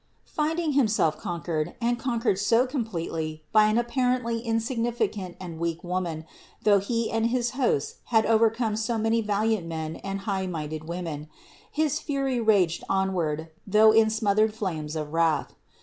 Finding himself conquered, and conquered so completely by an apparently insignificant and weak Woman, though he and his hosts had overcome so many valiant men and high minded women, his fury raged on ward, though in smothered flames of wrath.